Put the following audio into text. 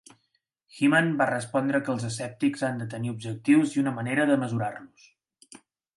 Hyman va respondre que els escèptics han de tenir objectius i una manera de mesurar-los.